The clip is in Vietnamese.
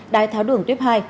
đai tháo đường tuyếp hai